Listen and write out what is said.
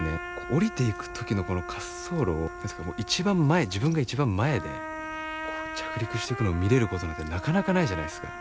降りていく時のこの滑走路を一番前自分が一番前で着陸してくのを見れることなんてなかなかないじゃないですか。